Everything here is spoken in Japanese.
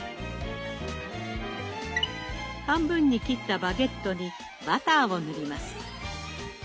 半分に切ったバゲットにバターを塗ります。